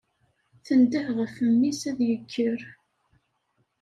Tendeh ɣef mmi-s ad yekker.